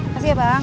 makasih ya bang